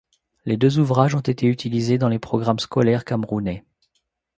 Les deux ouvrages ont été utilisés dans les programmes scolaires camerounais.